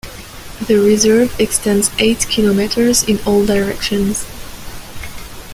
The reserve extends eight kilometers in all directions.